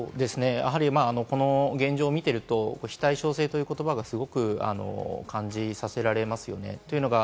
この現状を見ていると、非対称性ということを感じさせられますよね。